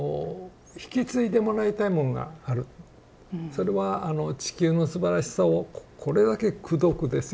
それはあの地球のすばらしさをこれだけくどくですよ